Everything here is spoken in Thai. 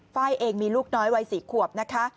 ไฟล์เองมีลูกน้อยวัย๔ขวบนะคะ